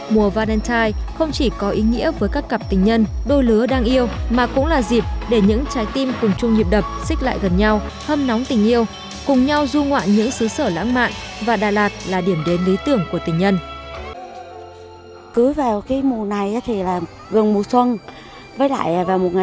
mùa valentine không chỉ có ý nghĩa với các cặp tình nhân đôi lứa đang yêu mà cũng là dịp để những trái tim cùng chung nhịp đập xích lại gần nhau hâm nóng tình yêu cùng nhau du ngoạn những xứ sở lãng mạn và đà lạt là điểm đến lý tưởng của tình nhân